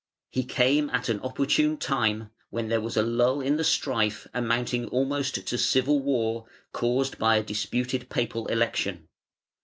He came at an opportune time, when there was a lull in the strife, amounting almost to civil war, caused by a disputed Papal election.